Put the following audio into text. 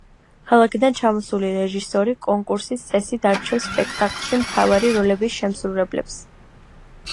ქალაქიდან ჩამოსული რეჟისორი კონკურსის წესით არჩევს სპექტაკლში მთავარი როლების შემსრულებლებს.